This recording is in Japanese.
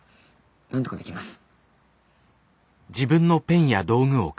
なんとかできます。